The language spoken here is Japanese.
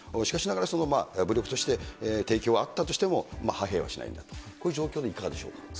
しかしながら、武力として提供はあったとしても、派兵はしないんだと、こういう状況はいかがでしょうか。